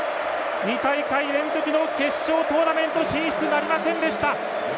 ２大会連続の決勝トーナメント進出なりませんでした。